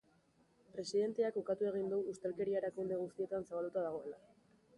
Presidenteak ukatu egin du ustelkeria erakunde guztietan zabalduta dagoela.